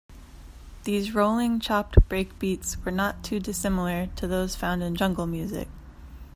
These rolling chopped breakbeats were not too dissimilar to those found in jungle music.